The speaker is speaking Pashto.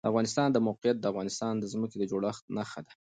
د افغانستان د موقعیت د افغانستان د ځمکې د جوړښت نښه ده.